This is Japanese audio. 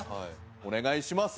お願いします。